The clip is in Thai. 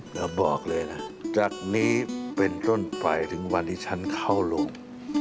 แล้วบอกเลยนะจากนี้เป็นต้นไปถึงวันที่ฉันเข้าโรง